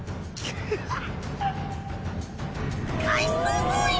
くっ！